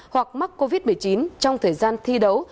hoặc mắc covid một mươi chín trong thời gian thi đấu